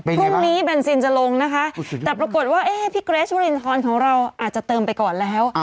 พรุ่งนี้เบนซินจะลงนะคะแต่ปรากฏว่าพี่เกรชุรินทรของเราอาจจะเติมไปก่อนแล้ว